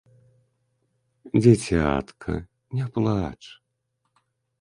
Дзіцятка, ня плач!